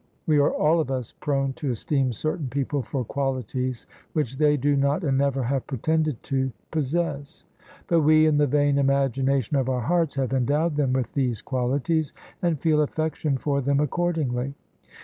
We are all of us prone to esteem certain people for qualities which they do not — and never have pretended to— possess: but we, in the vain imagination of our hearts, have endowed them with these qualities, and feel affection for them accordingly.